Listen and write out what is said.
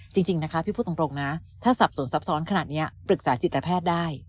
จริงนะคะพี่พูดตรงนะถ้าสับสนซับซ้อนขนาดนี้ปรึกษาจิตแพทย์ได้